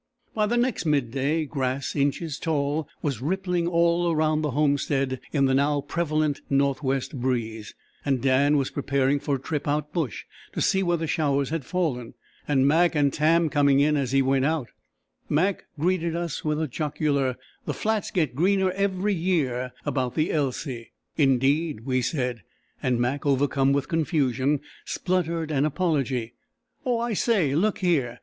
By the next midday, grass, inches tall, was rippling all around the homestead in the now prevalent northwest breeze, and Dan was preparing for a trip out bush to see where the showers had fallen, and Mac and Tam coming in as he went out, Mac greeted us with a jocular: "The flats get greener every year about the Elsey." "Indeed!" we said, and Mac, overcome with confusion, spluttered an apology: "Oh, I say! Look here!